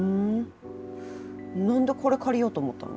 何でこれ借りようと思ったの？